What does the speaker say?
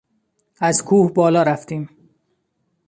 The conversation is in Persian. از کوه بالا رفتیم.